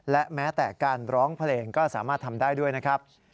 และแม้แต่การร้องเพลงก็สามารถทำได้ด้วยนะครับ